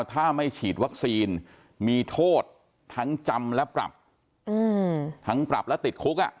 ถ้าไม่ฉีดวัคซีนมีโทษทั้งจำและปรับทั้งปรับและติดคุก